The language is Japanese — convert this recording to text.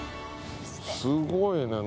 すごいね。